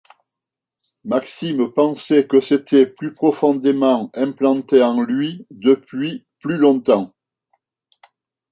Maxime pensait que c’était plus profondément implanté en lui, depuis plus longtemps.